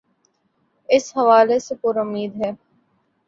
اس حوالے سے پرا مید ہے۔